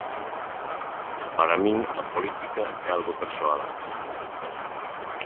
Para min a política é algo persoal.